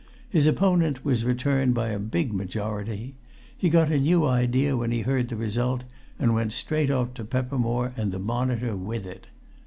His opponent was returned by a big majority. He got a new idea when he heard the result, and went straight off to Peppermore and the Monitor with it.